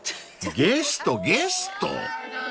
［ゲストゲスト！］